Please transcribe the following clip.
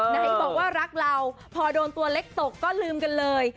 ไหนบอกว่ารักเราพอโดนตัวเล็กตกก็ลืมกันเลย